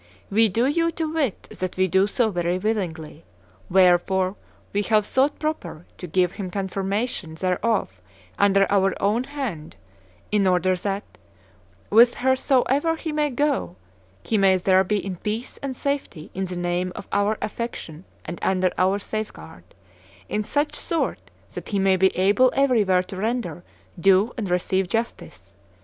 We do you to wit that we do so very willingly. Wherefore we have thought proper to give him confirmation thereof under our own hand, in order that, whithersoever he may go, he may there be in peace and safety in the name of our affection and under our safeguard; in such sort that he may be able everywhere to render, do, and receive justice.